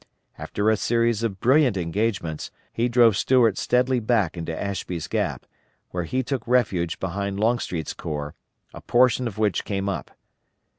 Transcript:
After a series of brilliant engagements he drove Start steadily back into Ashby's Gap, where he took refuge behind Longstreet's Corps, a portion of which came up.